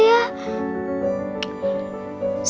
tante boleh ya